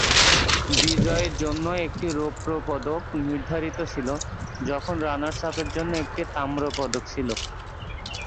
বিজয়ীর জন্য একটি রৌপ্য পদক নির্ধারিত ছিল, যখন রানার্স আপের জন্য একটি তাম্র পদক ছিল।